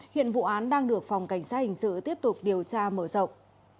hiện vụ án đang được phòng cảnh sát hình sự tiếp tục điều tra mở rộng